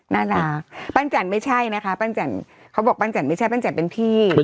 น่ารักปั้นจันทร์ไม่ใช่นะคะปั้นจันเขาบอกปั้นจันไม่ใช่ปั้นจันเป็นพี่